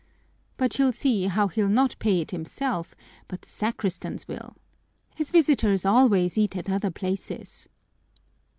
But you'll see how he'll not pay it himself, but the sacristans will. His visitors always eat at other places."